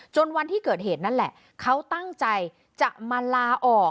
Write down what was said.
วันที่เกิดเหตุนั่นแหละเขาตั้งใจจะมาลาออก